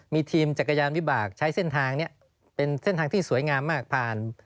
มีทีมจักรยานวิบากใช้เส้นทางนี้เป็นเส้นทางที่สวยงามมากผ่าน